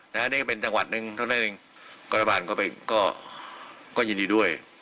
อันนี้ก็เป็นจังหวัดหนึ่งเท่านั้นเองก็รัฐบาลก็ไปก็ยินดีด้วย